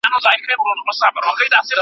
که په کور کي کتابتون وي ماسومان به پوه سي.